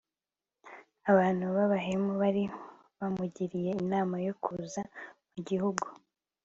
abantu b'abahemu bari bamugiriye inama yo kuza mu gihugu